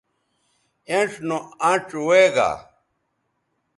اِنڇ نو اَنڇ وے گا